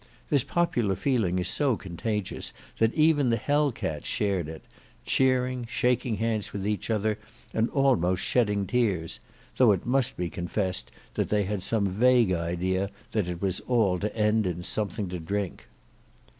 This popular feeling is so contagious that even the Hell cats shared it—cheering, shaking hands with each other, and almost shedding tears—though it must be confessed that they had some vague idea that it was all to end in something to drink.